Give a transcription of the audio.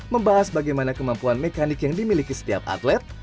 membahas bagaimana kemampuan mekanik yang dimiliki setiap atlet